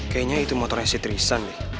kayaknya itu motornya si trisan nih